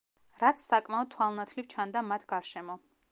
რაც საკმაოდ თვალნათლივ ჩანდა მათ გარშემო.